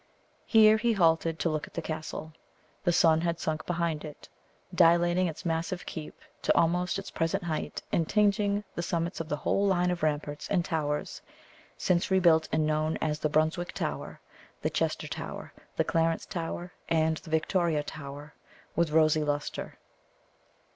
Here he halted to look at the castle. The sun had sunk behind it, dilating its massive keep to almost its present height and tinging the summits of the whole line of ramparts and towers, since rebuilt and known as the Brunswick Tower, the Chester Tower, the Clarence Tower, and the Victoria Tower, with rosy lustre.